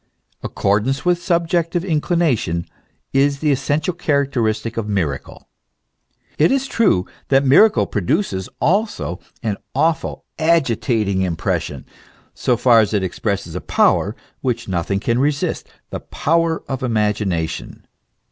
* Accordance with subjective inclination, is the essential characteristic of miracle. It is true that miracle produces also an awful, agitating impression, so far as it expresses a power which nothing can resist, the power of the imagination.